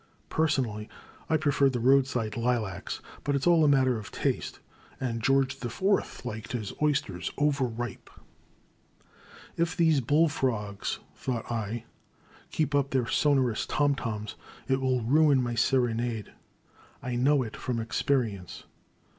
Personally I preferred the roadside lilacs, but it 's all a matter of taste, and George the Fourth liked his oysters over ripe. If these bull frogs, thought I, keep up their sonorotis tom toms, it will ruin my serenade — I know it, from experience."